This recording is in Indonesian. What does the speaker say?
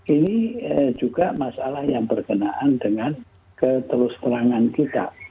ini juga masalah yang berkenaan dengan ketelus terangan kita